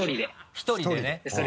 １人でね。